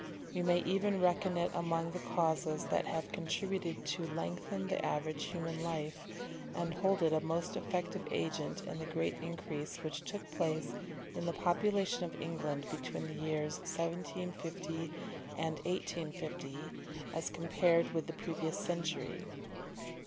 We may even reckon it among the causes that have contributed to lengthen the average of human life, and hold it a most effective agent in the great increase which took place in the population of England between the years 1750 and 1850 as compared with the previous century.